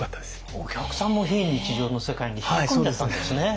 お客さんも非日常の世界に引き込んじゃったんですね。